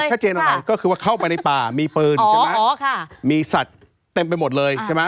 ชัดเจนอะไรก็คือเข้าไปในป่ามีปืนมีสัตว์เต็มไปหมดเลย